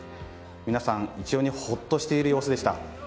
皆さん一様にほっとしている様子でした。